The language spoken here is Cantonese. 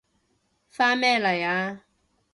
返咩嚟啊？